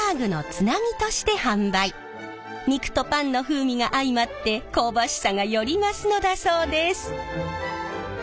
肉とパンの風味が相まって香ばしさがより増すのだそうです。